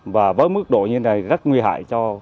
và với mức độ như thế này rất nguy hại cho